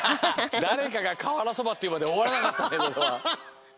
だれかがかわらそばっていうまでおわらなかったってことだ。